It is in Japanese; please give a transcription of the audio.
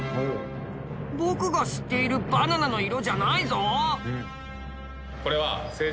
僕が知っているバナナの色じゃないぞ。